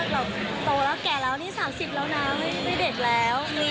เราโตแล้วแก่แล้วนี่๓๐แล้วนะไม่เด็กแล้ว